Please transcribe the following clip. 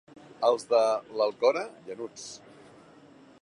Els de l'Alcora, llanuts.